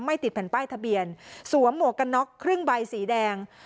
ติดแผ่นป้ายทะเบียนสวมหมวกกันน็อกครึ่งใบสีแดง